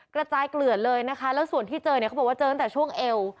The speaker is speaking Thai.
กระจายเกลือดเลยนะคะแล้วส่วนที่เจอเนี่ยเขาบอกว่าเจอตั้งแต่ช่วงเอว